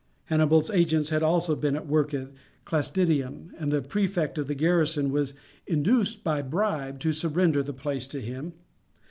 Hannibal's agents had also been at work at Clastidium, and the prefect of the garrison was induced by a bribe to surrender the place to him.